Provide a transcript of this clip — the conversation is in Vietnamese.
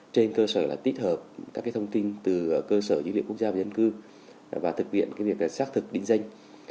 trên cơ sở tích hợp các thông tin từ cơ sở dữ liệu quốc gia và dân cư và thực hiện việc xác thực đỉnh danh